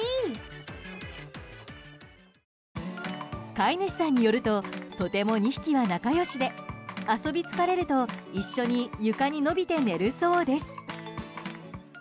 飼い主さんによるととても２匹は仲良しで遊び疲れると一緒に床に伸びて寝るそうです。